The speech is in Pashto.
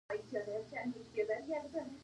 له ډاکټر محمد شفق خواتي مننه کوم.